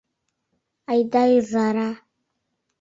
Айда, Ӱжара...